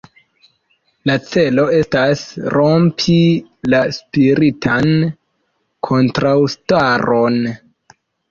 La celo estas rompi la spiritan kontraŭstaron.